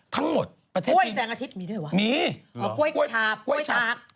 ทั้งหมดประเทศจีนมีด้วยวะกล้วยชาป